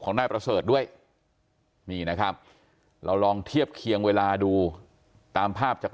นายประเสริฐด้วยนี่นะครับเราลองเทียบเคียงเวลาดูตามภาพจาก